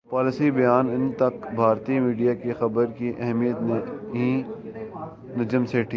policy بیان انے تک بھارتی میڈیا کی خبر کی اہمیت نہیںنجم سیٹھی